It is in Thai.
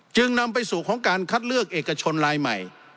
จึงนำไปสู่ของการคัดเลือกเอกชนลายใหม่